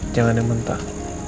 jangan yang mentah